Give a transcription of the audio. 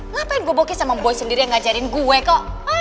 ngapain gue boki sama boy sendiri yang ngajarin gue kok